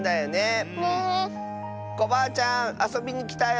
コバアちゃんあそびにきたよ！